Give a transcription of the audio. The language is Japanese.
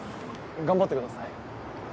頑張ってください。